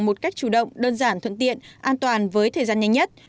một cách chủ động đơn giản thuận tiện an toàn với thời gian nhanh nhất